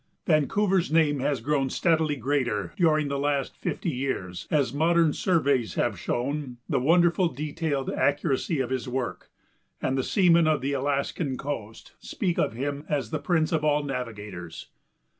Vancouver's name has grown steadily greater during the last fifty years as modern surveys have shown the wonderful detailed accuracy of his work, and the seamen of the Alaskan coast speak of him as the prince of all navigators.